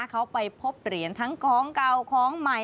เขาไปพบเหรียญทั้งของเก่าของใหม่